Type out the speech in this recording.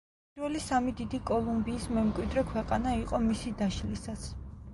პირველი სამი დიდი კოლუმბიის მემკვიდრე ქვეყანა იყო მისი დაშლისას.